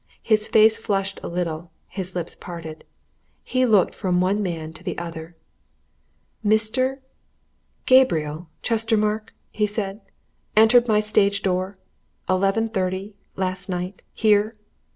His face flushed a little, his lips parted; he looked from one man to the other. "Mr. Gabriel Chestermarke!" he said. "Entered my stage door eleven thirty last night? Here!